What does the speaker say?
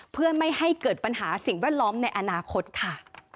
เพื่อไม่ให้เกิดปัญหาสิ่งแวดล้อมในอนาคตค่ะ